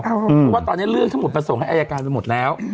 เพราะว่าตอนนี้เรื่องทั้งหมดมาส่งให้อายการไปหมดแล้ว